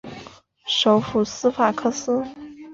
首府斯法克斯。